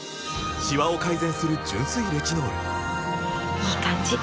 いい感じ！